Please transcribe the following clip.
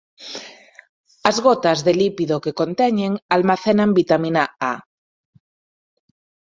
As gotas de lípido que conteñen almacenan vitamina A.